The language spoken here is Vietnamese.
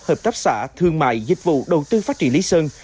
hợp tác xã thương mại dịch vụ đầu tư phát triển lý sơn